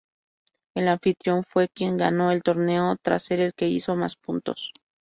El anfitrión fue quien ganó el torneo tras ser el que hizo más puntos.